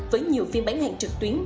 với nhiều phiên bán hàng trực tuyến